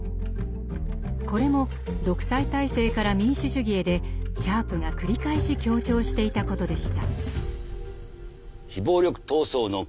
これも「独裁体制から民主主義へ」でシャープが繰り返し強調していたことでした。